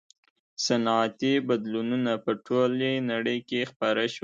• صنعتي بدلونونه په ټولې نړۍ کې خپاره شول.